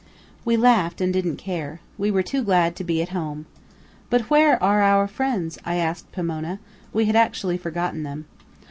We laughed, and didn't care. We were too glad to be at home. "But where are our friends?" I asked Pomona. We had actually forgotten them.